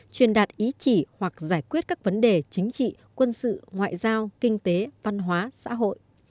truyền đạt ý chỉ hoặc giải quyết các vấn đề chính trị quân sự ngoại giao kinh tế văn hóa xã hội